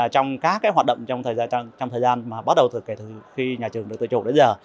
trong các cái hoạt động trong thời gian mà bắt đầu thực hiện khi nhà trường được tự chủ đến giờ